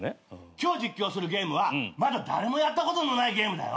今日実況するゲームはまだ誰もやったことのないゲームだよ。